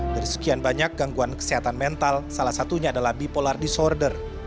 dari sekian banyak gangguan kesehatan mental salah satunya adalah bipolar disorder